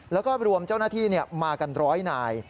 แล้วก็รวมเจ้าหน้าที่มากันร้อยนาย